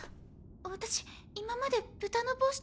私今まで「豚の帽子」